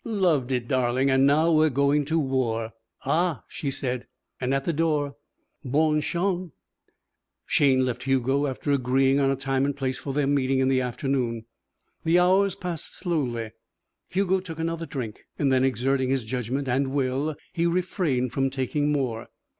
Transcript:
"Loved it, darling. And now we're going to war." "Ah!" she said, and, at the door: "Bonne chance!" Shayne left Hugo, after agreeing on a time and place for their meeting in the afternoon. The hours passed slowly. Hugo took another drink, and then, exerting his judgment and will, he refrained from taking more.